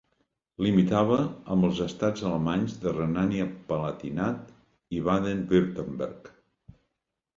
Limitava amb els estats alemanys de Renània-Palatinat i Baden-Württemberg.